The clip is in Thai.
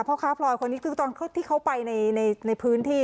พ่อค้าพลอยคนนี้คือตอนที่เขาไปในพื้นที่